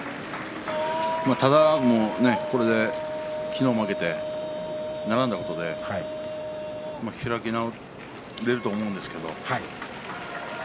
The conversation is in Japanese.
ただ、これ昨日負けて並んだことで開き直れると思うんですけど。